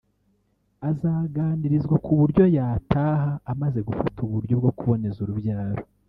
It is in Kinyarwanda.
azaganirizwa ku buryo yataha amaze gufata uburyo bwo kuboneza urubyaro